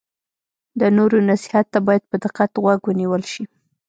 د نورو نصیحت ته باید په دقت غوږ ونیول شي.